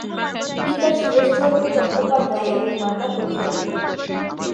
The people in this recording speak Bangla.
পিতা সুরেশচন্দ্র চট্টোপাধ্যায় এবং মাতা প্রতিমা দেবী।